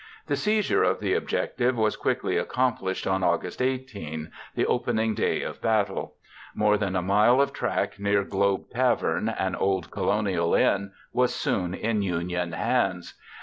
The seizure of the objective was quickly accomplished on August 18, the opening day of battle. More than a mile of track near Globe Tavern, an old colonial inn, was soon in Union hands.